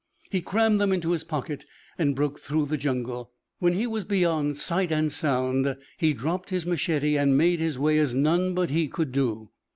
He crammed them into his pocket and broke through the jungle. When he was beyond sight and sound, he dropped his machete and made his way as none but he could do.